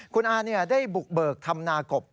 คุณอาได้บุกเบิกทำนากบ